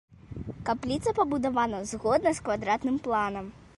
Капліца пабудавана згодна з квадратным планам.